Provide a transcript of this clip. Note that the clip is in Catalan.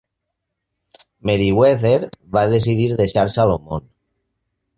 Meriwether va decidir deixar Salomon.